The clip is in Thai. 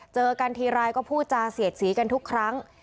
เจอกันทีไรก็พูดจาเสียดสีกันทุกครั้ง